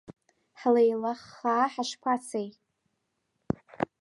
Ҳлеилаххаа ҳашԥацеи…